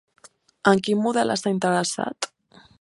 En quin model està interessat?